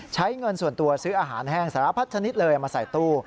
ใช้เงินส่วนตัวซื้ออาหารแห้งสารพัดชนิดเลยมาใส่ตู้